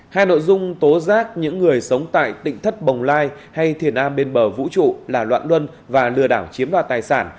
hai nội dung tố giác những người sống tại tỉnh thất bồng lai hay thiền an bên bờ vũ trụ là loạn luân và lừa đảo chiếm đoạt tài sản